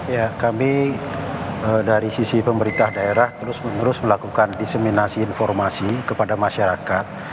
ya kami dari sisi pemerintah daerah terus menerus melakukan diseminasi informasi kepada masyarakat